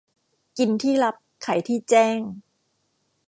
กินที่ลับไขที่แจ้ง